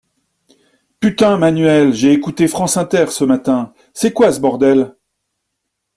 Putain, Manuel, j’ai écouté France Inter ce matin, c’est quoi ce bordel?